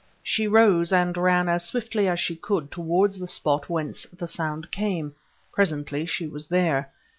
She rose and ran as swiftly as she could towards the spot whence the sound came. Presently she was there.